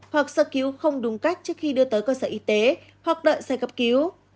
hoặc sơ cứu không đúng cách trước khi đưa tới cơ sở y tế hoặc đợi xe gặp cứu